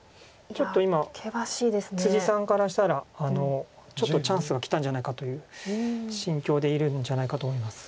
ちょっと今さんからしたらちょっとチャンスがきたんじゃないかという心境でいるんじゃないかと思います。